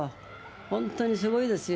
本当にすごいですよ。